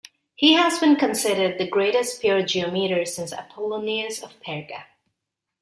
He has been considered the greatest pure geometer since Apollonius of Perga.